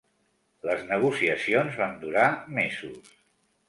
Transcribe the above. Les negociacions van durar mesos.